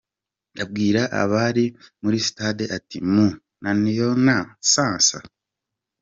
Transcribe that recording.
Abwira abari muri sitade ati "Mu naniona sasa?".